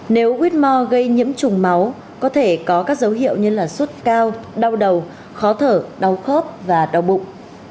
nếu quýt mò gây nhiễm trùng máu có thể có các dấu hiệu như là sốt cao đau đầu khó thở đau khớp và đau bụng